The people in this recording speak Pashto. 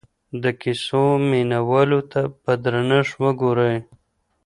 د کیسو مینه والو ته په درنښت وګورئ.